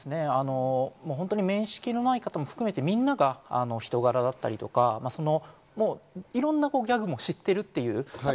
本当に面識ない方も含めて人柄だったり、いろんなギャグを知ってるという。